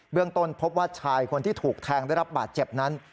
ต้นพบว่าชายคนที่ถูกแทงได้รับบาดเจ็บนั้น